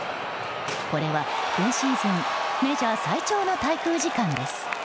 これは今シーズンメジャー最長の滞空時間です。